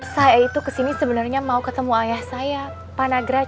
saya itu kesini sebenarnya mau ketemu ayah saya pak nagra